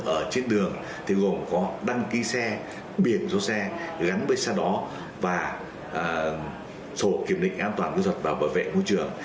ở trên đường thì gồm có đăng ký xe biển số xe gắn với xe đó và sổ kiểm định an toàn kỹ thuật và bảo vệ môi trường